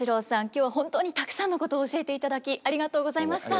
今日は本当にたくさんのことを教えていただきありがとうございました。